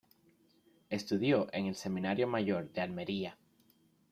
Estudió en el Seminario Mayor de Almería.